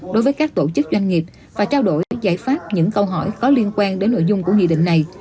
đối với các tổ chức doanh nghiệp và trao đổi giải pháp những câu hỏi có liên quan đến nội dung của nghị định này